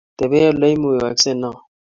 Tebe ole imugtaise noo